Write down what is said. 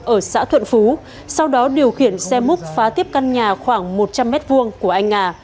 ở xã thuận phú sau đó điều khiển xe múc phá tiếp căn nhà khoảng một trăm linh m hai của anh nga